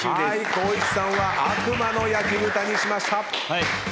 光一さんは悪魔ノ焼豚にしました。